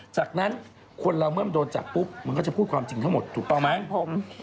จากนั้นคนเราเมื่อโดนจับปุ๊บมันก็จะพูดความจริงทั้งหมดถูกต้องไหม